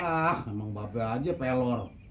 ah emang babelu aja pelor